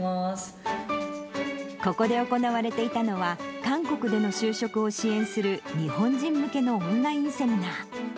ここで行われていたのは、韓国での就職を支援する日本人向けのオンラインセミナー。